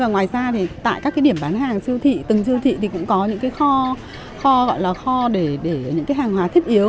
ngoài ra tại các điểm bán hàng siêu thị từng siêu thị cũng có những kho để những hàng hóa thiết yếu